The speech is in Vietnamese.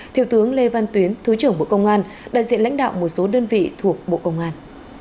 thiếu tướng lê văn tuyến thứ trưởng bộ công an đại diện lãnh đạo một số đơn vị thuộc bộ công an